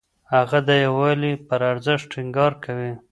هغه د يووالي پر ارزښت ټينګار کوي.